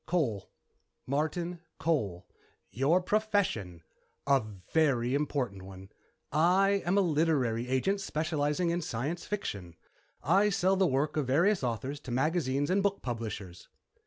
"Cole. Martin Cole." "Your profession?" "A very important one. I am a literary agent specializing in science fiction. I sell the work of various authors to magazine and book publishers."